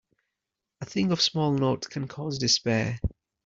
A thing of small note can cause despair.